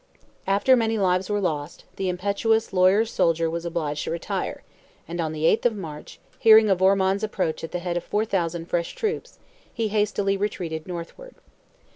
After many lives were lost the impetuous lawyer soldier was obliged to retire, and on the 8th of March, hearing of Ormond's approach at the head of 4,000 fresh troops, he hastily retreated northward.